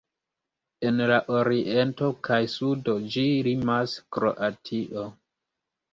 En la oriento kaj sudo ĝi limas Kroatio.